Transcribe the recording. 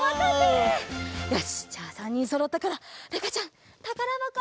よしじゃあ３にんそろったからるかちゃんたからばこ